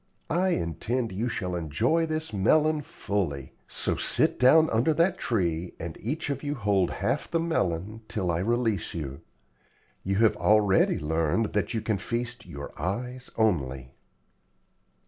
I intend you shall enjoy this melon fully. So sit down under that tree and each of you hold half the melon till I release you. You have already learned that you can feast your eyes only."